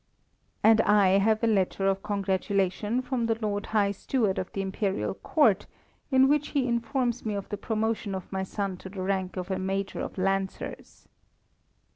"And I have a letter of congratulation from the Lord High Steward of the Imperial Court, in which he informs me of the promotion of my son to the rank of a major of Lancers."